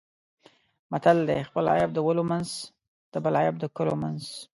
متل دی: خپل عیب د ولو منځ د بل عیب د کلو منځ دی.